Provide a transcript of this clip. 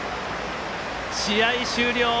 試合終了。